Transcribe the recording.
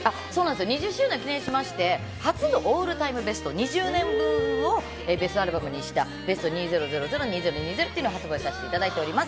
そうなんですよ、２０周年を記念しまして、初のオールタイムベスト、２０年分をベストアルバムにした、ＢＥＳＴ２０００ー２０２０というのを発売させていただいております。